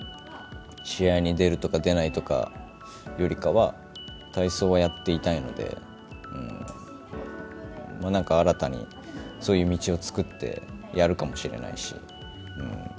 試合に出るとかでないとかよりかは、体操をやっていたいので、なんか新たに、そういう道を作ってやるかもしれないし。